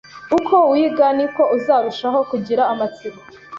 Uko wiga, niko uzarushaho kugira amatsiko